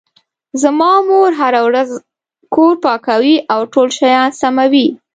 زما مور هره ورځ کور پاکوي او ټول شیان سموي